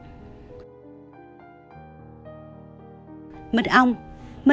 mật ong có thể làm dịu cổ họng và có thể giúp giảm ho